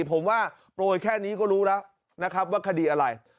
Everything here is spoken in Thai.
ผมว่าโปรยแค่นี้ก็รู้แล้วนะครับว่าคดีอะไร